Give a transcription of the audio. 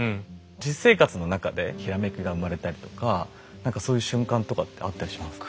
実生活の中で閃きが生まれたりとか何かそういう瞬間とかってあったりします？